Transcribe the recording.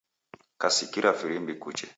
Kasikira firimbi kuche.